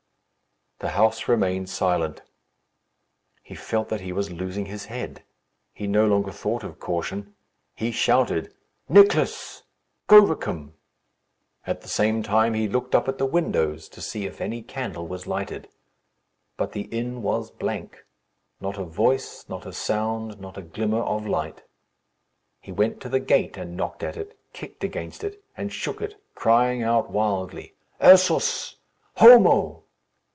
The house remained silent. He felt that he was losing his head. He no longer thought of caution. He shouted, "Nicless! Govicum!" At the same time he looked up at the windows, to see if any candle was lighted. But the inn was blank. Not a voice, not a sound, not a glimmer of light. He went to the gate and knocked at it, kicked against it, and shook it, crying out wildly, "Ursus! Homo!"